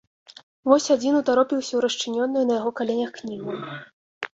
Вось адзін утаропіўся ў расчыненую на яго каленях кнігу.